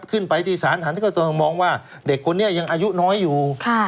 ขึ้นไปที่ศาลฐานที่เขาจะมองว่าเด็กคนนี้ยังอายุน้อยอยู่